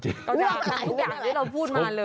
เรื่องอะไรทุกอย่างที่เราพูดมากันเลย